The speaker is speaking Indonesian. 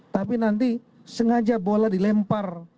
tapi nanti sengaja bola dilempar